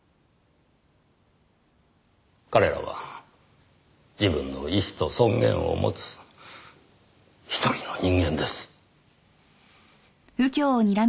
彼らは自分の意志と尊厳を持つ一人の人間です。